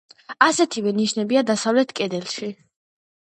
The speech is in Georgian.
ასეთივე ნიშებია დასავლეთ კედელში.